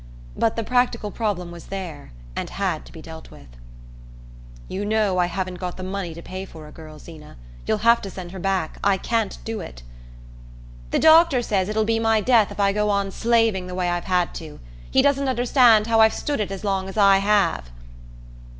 But the practical problem was there and had to be dealt with. "You know I haven't got the money to pay for a girl, Zeena. You'll have to send her back: I can't do it." "The doctor says it'll be my death if I go on slaving the way I've had to. He doesn't understand how I've stood it as long as I have."